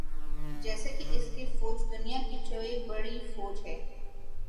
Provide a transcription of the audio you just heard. جیسا کہ اس کی فوج دنیا کی چھویں بڑی فوج ہے